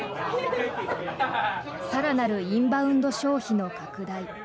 更なるインバウンド消費の拡大。